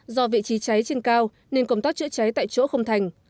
do vị trí cháy trên cao nên công tác chữa cháy tại chỗ không thành